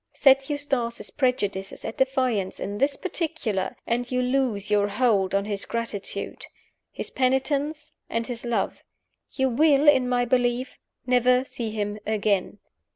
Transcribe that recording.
Set Eustace's prejudices at defiance in this particular, and you lose your hold on his gratitude, his penitence, and his love you will, in my belief, never see him again.